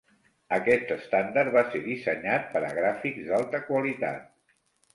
Aquest estàndard va ser dissenyat per a gràfics d'alta qualitat.